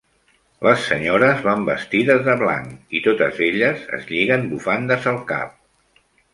Les senyores van vestides de blanc i totes elles es lliguen bufandes al cap.